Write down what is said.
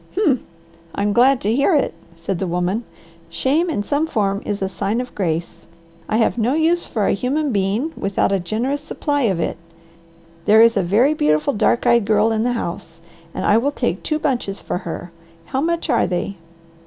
"Humph! I'm glad to hear it!" said the woman. "Shame in some form is a sign of grace. I have no use for a human being without a generous supply of it. There is a very beautiful dark eyed girl in the house, and I will take two bunches for her. How much are they?"